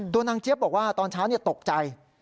นางเจี๊ยบบอกว่าตอนเช้าตกใจ